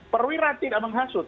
perwira tidak menghasut